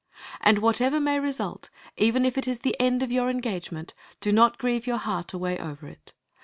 And whatever may result, even if it is the end of your engagement, do not grieve your heart away over it.